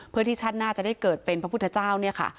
เพื่อที่ชาติหน้าจะได้เกิดเป็นพระพุทธเจ้าเนี่ยค่ะ